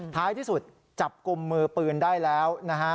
ท้ายที่สุดจับกลมมือปืนได้แล้ว